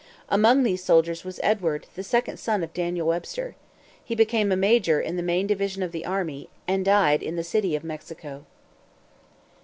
Among these soldiers was Edward, the second son of Daniel Webster. He became a major in the main division of the army, and died in the City of Mexico.